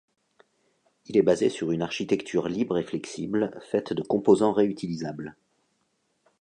Il est basé sur une architecture libre et flexible faite de composants réutilisables.